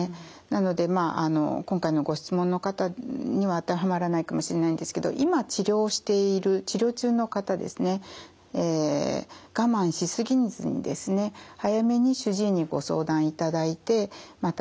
なのでまあ今回のご質問の方には当てはまらないかもしれないんですけど今治療している治療中の方ですね我慢しすぎずにですね早めに主治医にご相談いただいてまあ